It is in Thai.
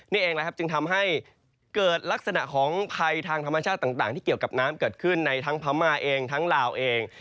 นี่เองนะครับจึงทำให้เกิดลักษณะของภัยทางธรรมชาติต่างที่เกี่ยวกับน้ำเกิดขึ้นในทั้งพม่าเองทั้งลาวเอง